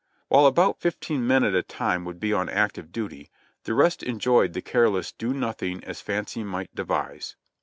While about fifteen men at a time would be on active duty, the rest enjoyed the careless do nothing as fancy might devise.